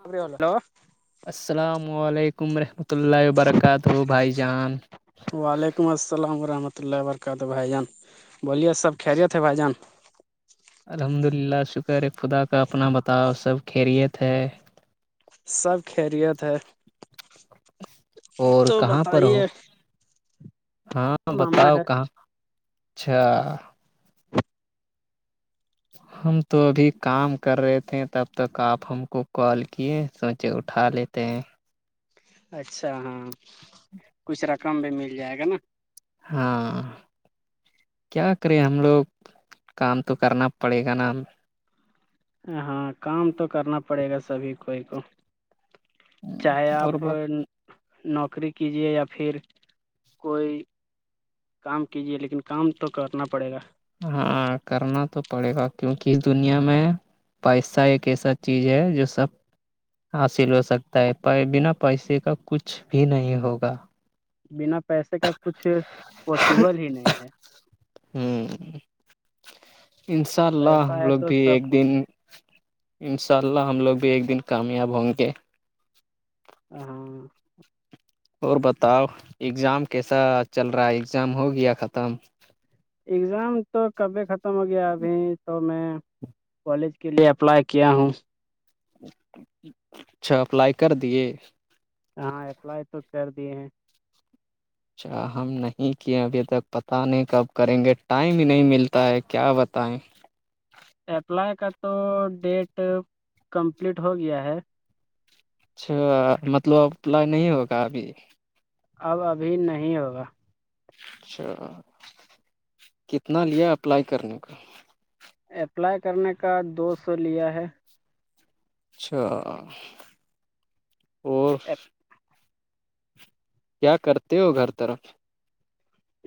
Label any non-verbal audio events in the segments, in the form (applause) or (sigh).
خ نو (unintelligible) السلام علیکم رحمۃ اللہ وبرکاتہ بھائی جان وعلیکم السلام ورحمۃ اللہ و برکاتہ بھائی جان بولیے سب خیریت تھے بھائی جان الحمد للہ شکر ہے خدا کا اپنا بتاؤ سب خیریت ہے سب خیریت ہے اور تو کہاں پر ہو بتائیے ہاں ماما بتاؤ ہے کہاں اچھا ہم تو ابھی کام کر رہے تھے تب تک آپ ہم کو کال کیے سوچ جے اٹا لیتے ہیں (unintelligible) اچھا ہاں کچھ رقم بھی مل جائے گا نا ہاں کیا کریں ہم لوگ کام تو کرنا پڑے گا نا ہاں کام تو کرنا پڑے گا سبھی کوئی کو چاہے اور آپ بت نوکری کیجیے یا پھر کوئی کام کیجیے لیکن کام تو کرنا پڑے گا ہاں کرنا تو پڑے گا کیونکہ اس دنیا میں پیسہ ایک ایسا چیز ہے جو سب حاصل ہو سکتا ہے بنا پیسے کا کچھ بھی نہیں ہوگا بنا پیسے کا کچھ پاسبل ہی نہیں ہے ہوں انشاء اللہ پیسہ ہم ہے لوگ تو بھی سب ایک دن کچھ ہے ان شاء اللہ ہم لوگ بھی ایک دن کامیاب ہوں گے ا (unintelligible) اور بتاؤ ایگزام کیسا چل رہا ہے ایگزام ہو گیا ختم اگزام تو کبھی ختم ہو گیا ابھی تو میں کالج کے لیے اپلائی کیا ہوں اچھا اپلائی کر دیے ہاں اپلائی تو کر دیے ہیں اچھا ہم نہیں کیے ابھی تک پتہ نہیں کب کریں گے ٹائم نہیں ملتا ہے کیا بتائیں اپلائی کا تو ڈیٹ کمپلیٹ ہو گیا ہے اچھا مطلب اپلائی نہیں ہوگا ابھی اب ابھی نہیں ہوگا اچھا کتنا لیا اپلائی کرنے کا اپلائی کرنے کا دو سو لیا ہے اچھا اور ایک (unintelligible) کیا کرتے ہو گھر طرف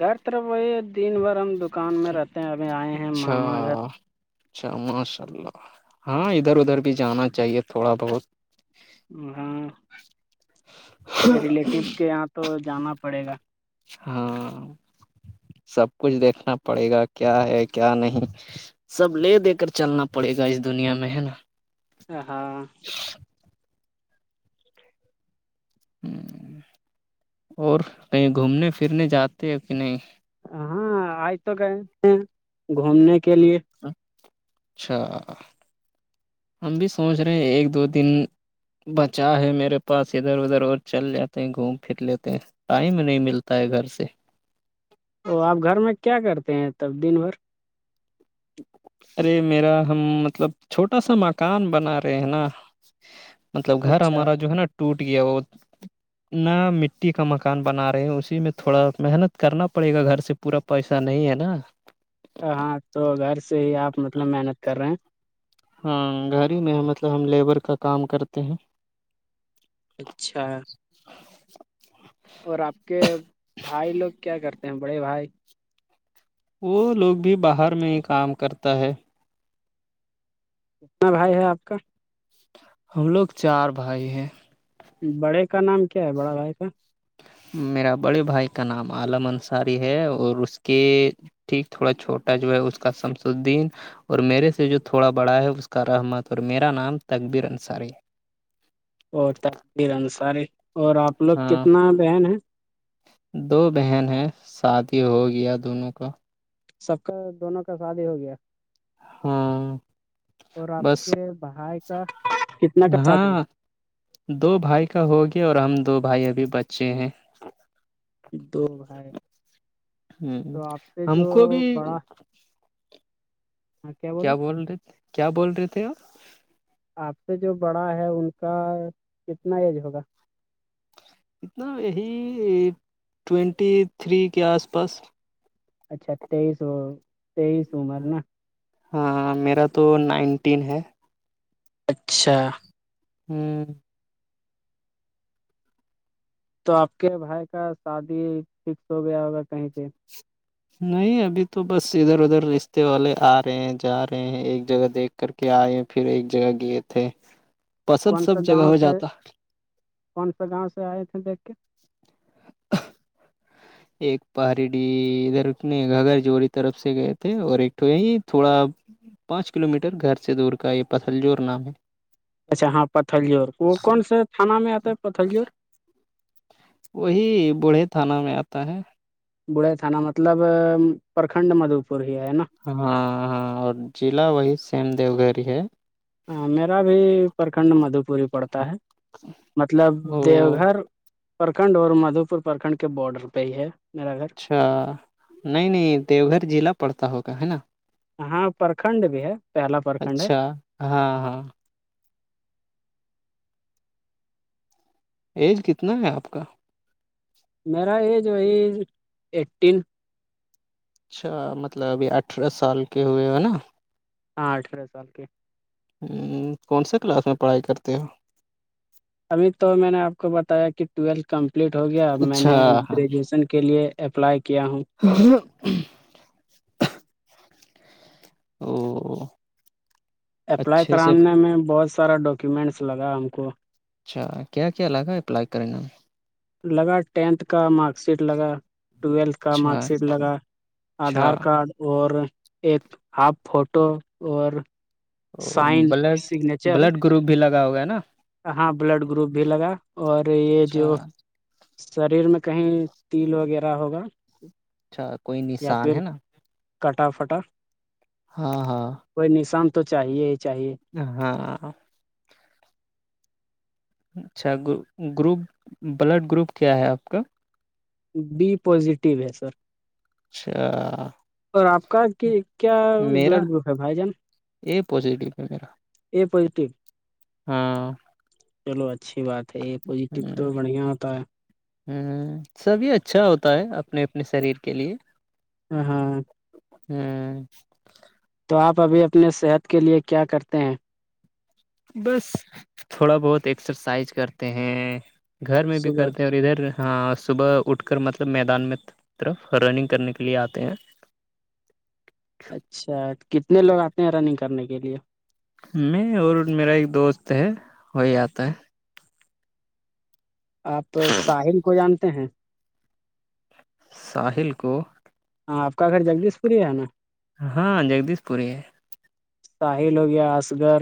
گھر طرف وہی ہے دن بھر ہم دکان میں رہتے ہیں ابھی آئے ہیں ماما گھر اچھا اچھا ماشاء اللہ ہاں ادھر ادھر بھی جانا چاہیے تھوڑا بہت ہاں ریلیٹیوس کے یہاں تو جانا پڑے گا ہاں سب کچھ دیکھنا پڑے گا کیا ہے کیا نہیں سب لے دے کر چلنا پڑے گا اس دنیا میں ہے نا ا ہاں (inaudible) اور کہیں گھومنے پھرنے جاتے ہیں کہ نہیں ہاں آئے تو گئے تھے گھومنے کے لیے اچھا ہم بھی سوچ رہے ہیں ایک دو دن بچا ہے میرے پاس ادھر ادھر اور چل جاتے ہیں گھوم پھر لیتے ہیں ٹائم نہیں ملتا ہے گھر سے تو آپ گھر میں کیا کرتے ہیں تب دن بھر ارے میرا ہم مطلب چھوٹا سا مکان بنا رہے ہیں نا مطلب گھر اچھا ہمارا جو ہے نا ٹوٹ گیا وہ نہ مٹی کا مکان بنا رہے ہ اسی میں تھوڑا محنت کرنا پڑے گا گھر سے پورا پیسہ نہیں ہے نا ہاں تو گھر سے ہی آپ مطلب محنت کر رہے ہیں ہاں گھر ہی میں مطلب ہم لیبر کا کام کرتے ہیں اچھا اور آپ کے بھائی لوگ کیا کرتے ہیں بڑے بھائی وہ لوگ بھی باہر میں ہی کام کرتا ہے کتنا بھائی ہے آپ کا ہم لوگ چار بھائی ہیں بڑے کا نام کیا ہے بڑا بھائی کا میرا بڑے بھائی کا نام عالم انصاری ہے اور اس کے ٹھیک تھوڑا چھوٹا جو ہے اس کا شمس الدین اور میرے سے جو تھوڑا بڑا ہے اس کا رحمت اور میرا نام تقبر انصاری ہے اور تقدیر انصاری اور آپ لوگ ہاں کتنا بہن ہیں دو بہن ہیں شادی ہو گیا دونوں کا سب کا دونوں کا ساد ہی ہو گیا ہاں اور آپ بس کے بھائی کا کتنا کا شادی ہو ہاں دو بھائی کا ہوگیا اور ہم دو بھائی ابھی بچے ہیں دو بھائی ہ تو آپ سے ہم جو کو بھی بڑا ہاں بولے کیا بول رہے تھ کیا بول رہے تھے آپ آپ سے جو بڑا ہے ان کا کتنا ایج ہوگا اتنا یہی ٹوینٹی تھری کے آس پاس اچھا تیئیس تیئیس عمر نا ہاں میرا تو نائنٹین ہے اچھا ہوں تو آپ کے بھائی کا شادی فکس ہو گیا ہوگا کہیں پہ نہیں ابھی تو بس ادھر ادھر رشتے والے آ رہے ہیں جا رہے ہیں ایک جگہ دیکھ کر کے آئے پھر ایک جگہ گئے تھے پسند کون سےا سب جگہ گاؤں ہو سے جاتا کون سےا گاؤں سے آئے تھے دیکھ کے ایک پہاڑی ڈی ادھر اپنے گگر جوڑی طرف سے گئے تھے اور ایک تو یہی تھوڑا پانچ کلو میٹر گھر سے دور کا یہ پتھل جوور نام ہے اچھا ہاں پتھلیور وہ کون سا تھانہ میں آتا ہے پتھلیور وہی بوڑھے تھانہ میں آتا ہے بڑھے تھانا مطلب پرکھنڈ مدھو پور ہی ہے نا ہاں ہاں اور ضلع وہی سیم دیو گھر ہے ہاں میرا بھی پرکھنڈ مدھوپوری پڑتا ہے مطلب وہ دیو گھر پرکھنڈ اور مدھو پور پرکھنڈ کے باڈر پہ ہی ہے میرا گھر اچھا نہیں نہیں دیو گھر ضلع پڑتا ہوگا ہے نا ہاں پرکھنڈ بھی ہے پہلا پرکھنڈ ہے اچھا ہاں ہاں ایج کتنا ہے آپ کا میرا ایج وہی ایٹین اچھا مطلب ابھی اٹھارہ سال کے ہوئے ہے نا ہاں اٹھارہ سال کے کون سے کلاس میں پڑھائی کرتے ہو ابھی تو میں نے آپ کو بتایا کہ ٹویلتھ کمپلیٹ ہو گیا اب میں اچھا نے گریجویشن کے لیے اپلائی کیا ہوں اور او اپلائی اچھے سے کرانے میں بہت سارا ڈاکیومنٹس لگا ہم کو اچھا کیا کیا لگا اپلائی کرا لگا ٹینتھ کا مارک شیٹ لگا ٹویلتھ کا مارک اچھا شیٹ لگا اچھا آدھار کارڈ اور ایک ہاف فوٹو اور او sign blood signature blood group بھی لگا ہوگا ہے نا ہاں بلڈ گروپ بھی لگا اور یہ جو اچھا شریر میں کہیں تیل وغیرہ ہوگا اچھا کوئی یا نشان پھر ہے نا کٹا فٹا ہاں ہاں کوئی نشان تو چاہیے ہی چاہیے ہاں اچھا گروپ بلڈ گروپ کیا ہے آپ کا بی پازیٹیو ہے سر اچھا اور آپ کا کیا میرا بلڈ گروپ ہے بھائی جان اے پازیٹیو ہے میرا اے پازیٹیو ہاں چلو اچھی بات ہے یہ پوزیٹیو تو بڑھیا ہوتا ہے ہوں سب یہ اچھا ہوتا ہے اپنے اپنے شریر کے لیے ہاں ہوں تو آپ ابھی اپنے صحت کے لیے کیا کرتے ہیں بس تھوڑا بہت ایکسرسائز کرتے ہیں گھر میں بھی صبح کرتے ہیں اور ادھر ہاں صبح اٹھ کر مطلب میدان میں طرف رننگ کرنے کے لیے آتے ہیں اچھا کتنے لوگ آتے ہیں رننگ کرنے کے لیے میں اور میرا ایک دوست ہے وہی آتا ہے آپ ہے ساحل کو جانتے ہیں ساحل کو ہاں آپ کا گھر جگدیش پور ہی ہے نا ہاں جگدیش پوری ہے ساحل ہو گیا اصغر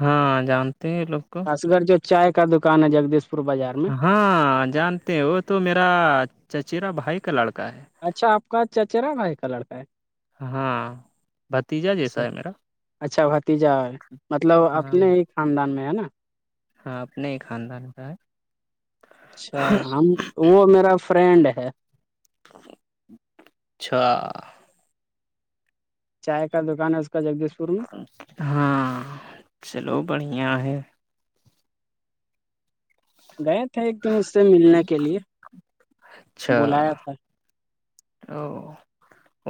ہاں جانتے ہیں لوگ کو گھر جو چائے کا دکان ہے جگدیش پور بازار میں ہاں جانتے ہیں وہ تو میرا چچیرا بھائی کا لڑکا ہے اچھا آپ کا چچرا بھائی کا لڑکا ہے ہوں اچھا بھتیجا مطلب ہاں اپنے ایک خھاندان میں ہے نا ہاں اپنے ہی خاندان کا ہے اچھا ہم وہ میرا فرینڈ ہے اچھا چائے کا دکان ہے اس کا جگدیش پور میں ہاں سلو بڑھیا ہے گئے تھے ایک دن اس سے ملنے کے لیے اچھا بلایا تھا او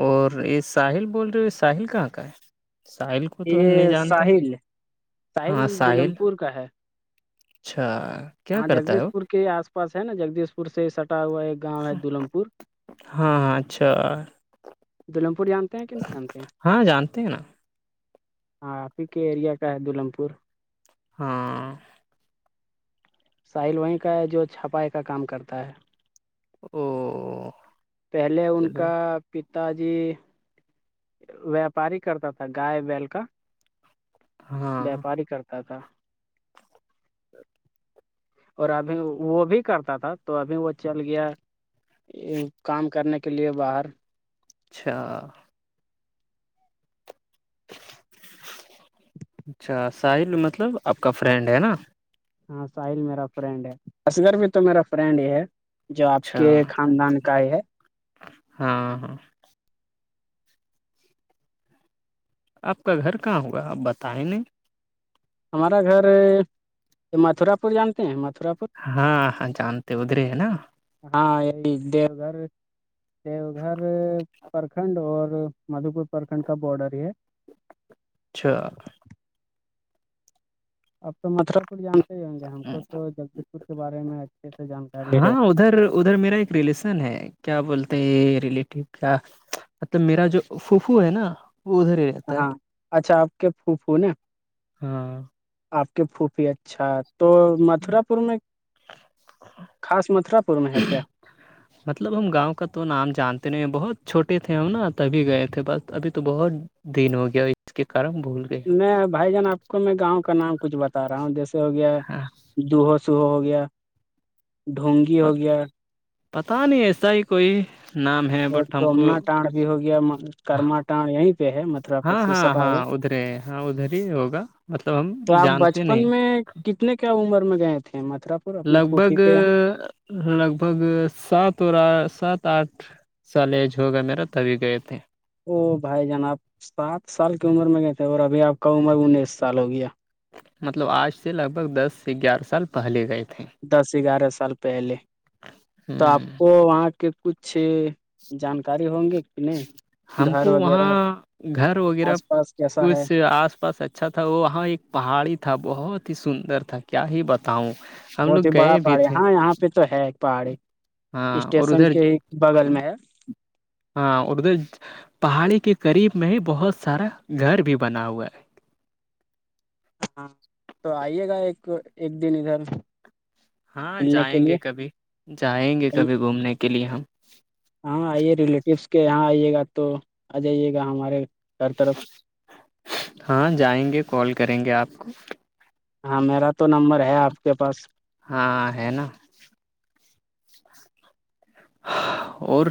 اور یہ ساحل بول رہے ہو ساحل کہاں کا ہے ساحل کو کو تو ہم نہیں یہ جانتے ساحل ہاں دلم ساحل پور کا ہے اچھا کیا ہاں کرتا ہے جگدیش وہ پور کے ہی آس پاس ہے نا جگدیش پور سے سٹا ہوا ہے گاؤں ہے دولم پور ہاں ہاں اچھا دالم پور جاں کہ نہیں جانتے ہیں ہاں جانتے ہیں نا ہاں آپ ہی کے ایریا کا ہے دلمم پور ہاں ساحل وہیں کا ہے جو چھپائے کا کام کرتا ہے او پہلے ان چلو کا پتا جی ویاپاری کرتا تھا گائے بیل کا ویاپاری کرتا تھا تو اور ابھی وہ بھی کرتا تھا تو ابھی وہ چل گیا کام کرنے کے لیے باہر اچھا اچھا ساحل مطلب آپ کا فرینڈ ہے نا ہاں ساحل میرا فرینڈ ہے اص گگر میں تو میرا فرینڈ ہی ہے جو آپ اچھا کے خاندان کا یہ ہے ہاں ہاں آپ کا گھر کہاں ہوگا آپ بتائیں نہیں ہمارا گھر متھرا پور جانتے ہیں متھرا پور ہاں ہاں جانتے ادھرے ہے نا ہاں یہ دیو گھر دیو گھر پرکھنڈ اور مدھوپور پرکھنڈ کا بارڈر ہے چھ اب تو متفرپور جانتے ہی ہوں گے ہم کو تو جگدیش پور کے بارے میں اچھے سے جانکاری ہاں ہے ادھر ادھر میرا ایک ریلیسن ہے کیا بولتے ہیں یہ ریلیٹیو کیا مطلب میرا جو پوفو ہے نا وہ ادھر ہی رہ ہاں اچھا آپ کے پھو پھوون ہاں آپ کے پھوپھی اچھا تو متھرا پور میں خاص متھرا پور میں ہے کیا مطلب ہم گاؤں کا تو نام جانتے نہیں بہت چھٹے تھے ہم نا تبھی گئے تھے بس ابھی تو بہت دن ہو گیا اور اس کے کارم بول میں بھائی جان آپ کو میں گاؤں کا نام کچھ بتا رہا ہوں جیسے ہو گیا ہاں دوہو سہو ہو گیا ڈھونونگی ہو گیا پتا نہیں ایسا ہی کوئی نام ہے اور بٹ ہم کو توومنا ٹڈ بھی ہو گیا کرما انڈ یہیں پہ ہے مطلب ہاں ہاں ہاں ادھرے ہاں ادھر ہی ہوگا مطلب ہم تو آپ جانتے بچپن نہیں میں کتنے کیا عمر میں گئے تھے مطرب لگ بھگ لگ بھگ سات اور سات آٹھ سال ایج ہوگا میرا تبھی گئے تھے او بھائی جان آب سات سال کی عمر میں گئے تھے اور ابھی آپ کا عمر انیس سال ہو گیا مطلب آج سے لگ بھگ دس سے گیارہ سال پ پہلے گئے تھے دس گیارہ سال پہلے تو آپ ہوں کو وہاں کے کچھ جانکاری ہوں گے ہم کو وہاں گھر وغیرہ آس پاس کیسا ہے کچھ آس پاس اچھا اچھا تھا وہاں ایک پہاڑی تھا بہت ہی سندر تھا کیا ہی بتاؤں ہم بہت لوگ ہی بڑا گئے بھی پہڑی ہے تھے ہاں یہاں پہ تو ہے ایک پہاڑی ہاں اور اسٹیشن ادھر کے ہی بغل میں ہے ہاں اور ادھر پہاڑی کے قریب میں ہی بہت سارا گھر بھی بنا ہوا ہے ہاں تو آئیے گا ایک ایک دن ادھر ہاں ملنے کے جائیں گے لیے کبھی جائیں گے کبھی گھومنے کے لیے ہم ہاں آئیے ریلیٹیوس کے یہاں آئیے گا تو آ جائیے گا ہمارے ہر طرف ہاں جائیں گے کال کریں گے آپ کو ہاں میرا تو نمبر ہے آپ کے پاس ہاں ہے نا اور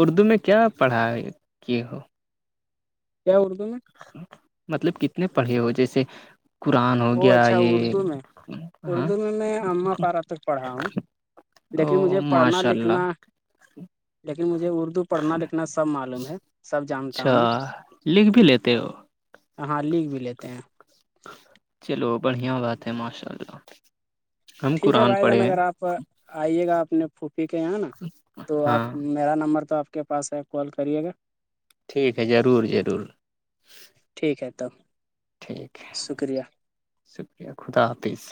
اردو میں کیا پڑھا کیے ہو کیا اردو میں مطلب کتنے پڑھے ہو جیسے قرآن ہو وہ گیا اچھا یہ اردو میں ہاں اردو میں میں اماں پارا تک پڑھا ہوں لیکن او مجھے پڑھنا ماشاء اللہ لکھنا لیکن مجھے اردو پڑھنا لکھنا اپتنا سب معلوم ہے سب جانتا اچھا ہوں میں لکھ بھی لیتے ہو ہاں لکھ بھی لیتے ہیں چلو بڑھیا بات ہے ماشاء اللہ ہم ٹھیک ہے قرآن بھائی جان پڑھے ہیں اگر آپ آئیے گا اپنے پھوپھی کے یہاں نا تو آپ ہاں میرا نمبر تو آپ کے پاس ہے کال کریے گا ٹھیک ہے ضرور ضرور ٹھیک ہے تب ٹھیک ہے شکریہ شکریہ خدا حافظ